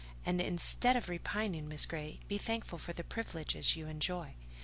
"And instead of repining, Miss Grey, be thankful for the privileges you enjoy.